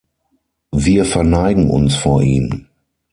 Wir verneigen uns vor ihm.